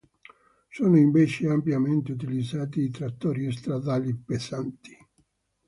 Sono invece ampiamente utilizzati i trattori stradali pesanti.